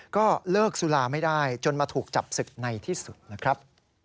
ก็เลิกสุราไม่ได้จนมาถูกจับศึกในที่สุดนะครับ